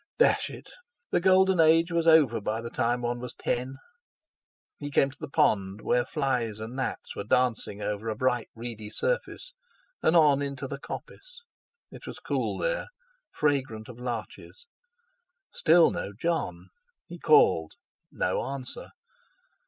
Dash it! The golden age was over by the time one was ten! He came to the pond, where flies and gnats were dancing over a bright reedy surface; and on into the coppice. It was cool there, fragrant of larches. Still no Jon! He called. No answer!